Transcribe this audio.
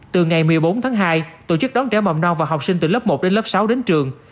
từ ngày một mươi bốn tháng hai tổ chức đón trẻ mầm non và học sinh từ lớp một đến lớp sáu đến trường